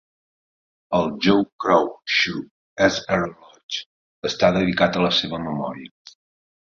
El Joe Crow Shoe Sr. Lodge està dedicat a la seva memòria.